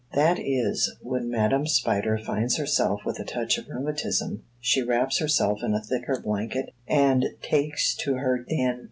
That is, when Madam Spider finds herself with a touch of rheumatism, she wraps herself in a thicker blanket and takes to her den.